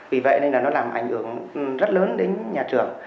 vì vậy nên là nó làm ảnh hưởng rất lớn đến nhà trường